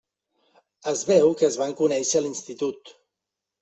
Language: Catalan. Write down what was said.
Es veu que es van conèixer a l'institut.